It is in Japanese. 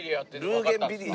ルーゲンビリア。